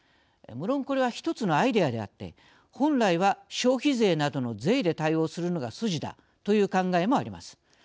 無論、これは一つのアイデアであって本来は消費税などの税で対応するのが筋だという考えもあります。